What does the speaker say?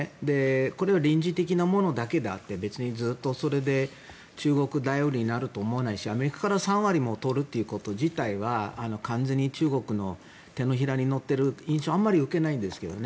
これは臨時的なものであってずっとそれで中国頼りになると思わないしアメリカから３割も取るということは完全に中国の手のひらに乗っている印象はあまり受けないんですけどね。